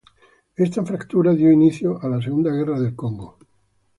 Ésta fractura dio inicio a la Segunda Guerra del Congo.